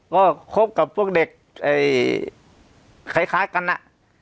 ก็คบกับพวกเด็กคล้ายกันอะ